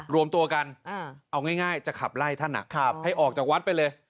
รวมตัวกันเอาง่ายจะขับไล่ท่านให้ออกจากวัดไปเลย